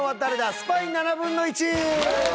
スパイ７分の１！